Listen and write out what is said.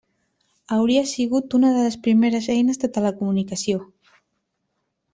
Hauria sigut una de les primeres eines de telecomunicació.